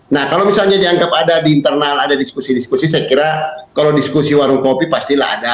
nah kalau misalnya dianggap ada di internal ada diskusi diskusi saya kira kalau diskusi warung kopi pastilah ada